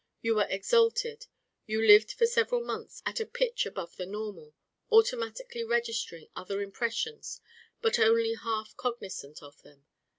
You were exalted; you lived for several months at a pitch above the normal, automatically registering other impressions but only half cognisant of them.